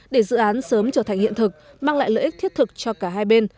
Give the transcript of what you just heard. để dự án sớm trở thành hiện thực mang lại lợi ích thiết thực cho cả hai bên